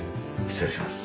失礼します。